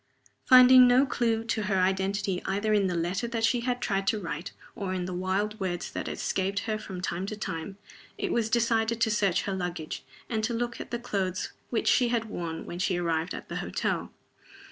Finding no clew to her identity either in the letter that she had tried to write or in the wild words that escaped her from time to time, it was decided to search her luggage, and to look at the clothes which she had worn when she arrived at the hotel.